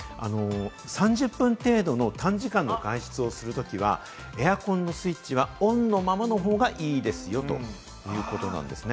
３０分程度の短時間の外出をするときは、エアコンのスイッチはオンのままの方がいいですよということなんですね。